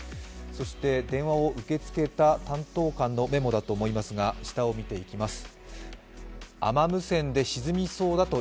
そして電話を受け付けた担当官のメモだと思いますが、下を見ていきます。